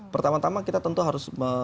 pertama tama kita tentu harus